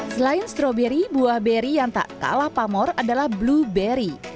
selain stroberi buah beri yang tak kalah pamor adalah blueberry